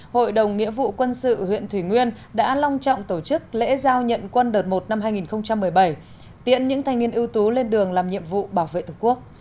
hội đồng nghĩa vụ quân sự huyện thủy nguyên đã long trọng tổ chức lễ giao nhận quân đợt một năm hai nghìn một mươi bảy tiễn những thanh niên ưu tú lên đường làm nhiệm vụ bảo vệ thực quốc